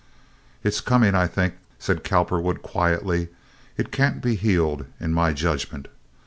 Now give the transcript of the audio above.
"It's coming, I think," said Cowperwood, quietly. "It can't be healed, in my judgment.